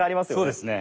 そうですね。